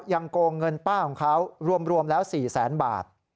โกงเงินป้าของเขารวมแล้ว๔แสนบาท